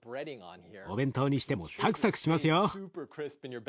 お弁当にしてもサクサクしますよ。